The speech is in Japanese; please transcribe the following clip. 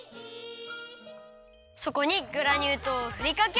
そこにグラニュー糖をふりかける！